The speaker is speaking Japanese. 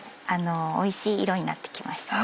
おいしい色になってきましたね。